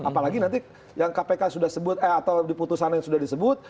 apalagi nanti yang kpk sudah sebut eh atau di putusan yang sudah disebut